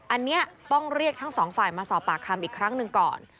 อันนี้ต้องเรียกทั้งสองฝ่ายมาสอบปากคำอีกครั้งหนึ่งก่อน